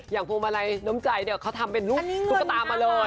อย่างพวกมาลัยน้ำใจเขาทำเป็นลูกตุ๊กตามาเลย